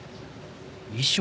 衣装？